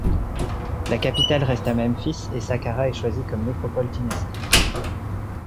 La capitale reste à Memphis et Saqqarah est choisi comme nécropole dynastique.